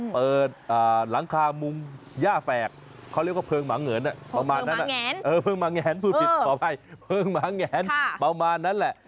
เปิดหลังคามุมย่าแฝกเขาเรียกว่าเพลิงหมาเหงิน